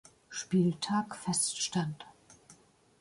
Spieltag feststand.